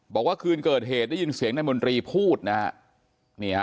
บอกว่าคืนเกิดเหตุได้ยินเสียงนายมนตรีพูดนะฮะ